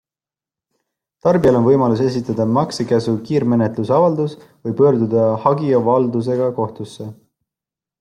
Tarbijail on võimalus esitada maksekäsu kiirmenetluse avaldus või pöörduda hagiavaldusega kohtusse.